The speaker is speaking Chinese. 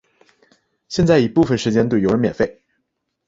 现在已部分时间对游人免费。